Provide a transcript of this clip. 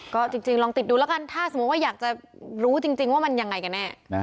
ก็จริงลองติดดูแล้วกันถ้าสมมุติว่าอยากจะรู้จริงว่ามันยังไงกันแน่